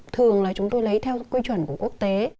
thường là chúng tôi lấy theo quy chuẩn của quốc tế